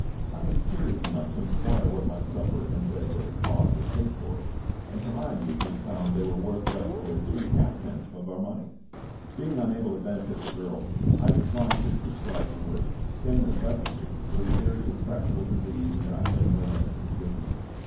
I was curious enough to inquire what my supper and bed were to cost, if paid for; and to my amusement found they were worth less than three halfpence of our money! Being unable to benefit the girl, I declined to prescribe for her, saying that leprosy was a very intractable disease, and that I had no medicines with me.